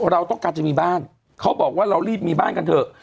เราต้องการจะมีบ้านเขาบอกว่าเรารีบมีบ้านกันเถอะ